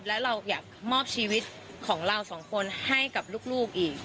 แล้วเราอยากมอบชีวิตของเราสองคนให้กับลูกอีก